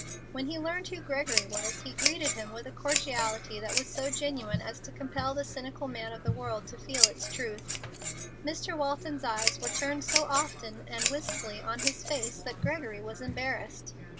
When he learned who Gregory was he greeted him with a cordiality that was so genuine as to compel the cynical man of the world to feel its truth. Mr. Walton's eyes were turned so often and wistfully on his face that Gregory was embarrassed.